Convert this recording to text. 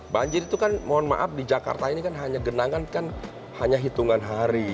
banjir itu kan mohon maaf di jakarta ini kan hanya genangan kan hanya hitungan hari